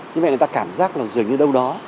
như vậy người ta cảm giác là dường như đâu đó